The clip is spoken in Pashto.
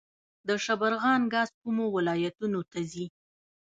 د شبرغان ګاز کومو ولایتونو ته ځي؟